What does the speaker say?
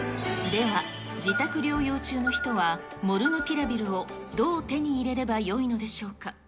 では、自宅療養中の人はモルヌピラビルをどう手に入れればよいのでしょうか。